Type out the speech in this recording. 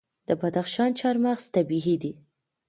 د بدخشان چهارمغز طبیعي دي.